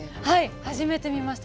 初めて見ました。